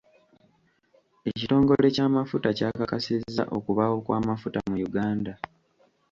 Ekitongole ky'amafuta kyakakasizza okubaawo kw'amafuta mu Uganda.